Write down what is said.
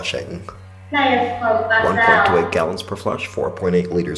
Players from Brazil.